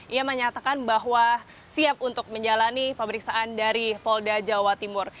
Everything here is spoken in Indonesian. ia menyatakan bahwa siap untuk menjalani pemeriksaan dari polda jawa timur